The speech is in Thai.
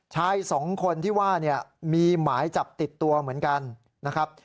ชายสองคนที่ว่าเนี่ยมีหมายจับติดตัวเหมือนกันนะครับ